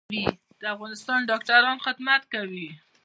د افغانستان ډاکټران خدمت کوي